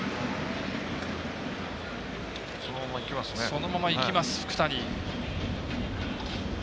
そのままいきます、福谷。